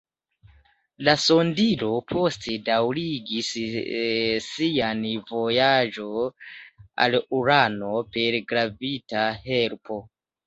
La sondilo poste daŭrigis sian vojaĝon al Urano per gravita helpo.